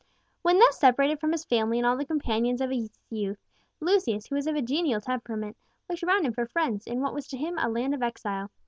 When thus separated from his family and all the companions of his youth, Lucius, who was of a genial temperament, looked around him for friends in what was to him a land of exile.